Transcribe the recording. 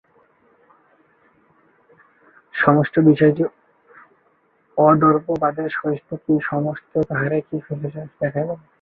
সমস্ত বিষয়টির অদ্বৈতবাদের সহিত কি সম্বন্ধ, তাহাও তিনি বিশ্লেষণপূর্বক দেখাইলেন।